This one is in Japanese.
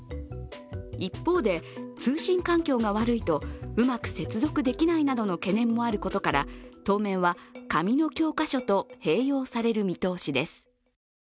一方で、通信環境が悪いとうまく接続できないなどの懸念もあることから当面は紙の教科書と併用される見通しです。